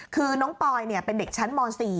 คือน้องปอยเป็นเด็กชั้นม๔